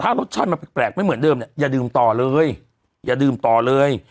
ถ้ารสชาติมันแปลกไม่เหมือนเดิมเนี่ยอย่าดื่มต่อเลยอย่าดื่มต่อเลย